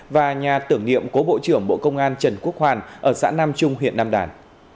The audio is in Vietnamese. và nhà tưởng niệm cố bộ trưởng bộ công an trần quốc hoàn ở xã nam trung huyện nam đàn